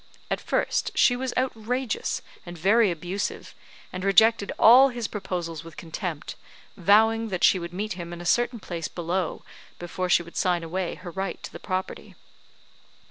At first, she was outrageous, and very abusive, and rejected all his proposals with contempt; vowing that she would meet him in a certain place below, before she would sign away her right to the property.